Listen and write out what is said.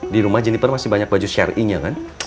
di rumah jeniper masih banyak baju share innya kan